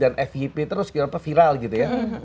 dan fip terus kira kira apa viral gitu ya